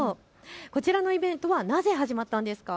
こちらのイベントはなぜ始まったんですか。